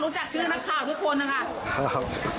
รู้จักทุกคน